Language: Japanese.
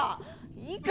いいか？